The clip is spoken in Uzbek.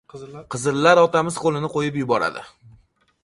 Qizillar otamiz qo‘lini qo‘yib yuboradi.